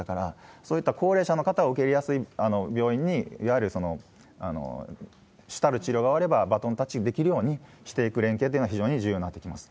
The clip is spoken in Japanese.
そういった高齢者の方を受け入れやすい病院に、いわゆる主たる治療が終わればバトンタッチできるようにしていく連携っていうのは、非常に重要になってきます。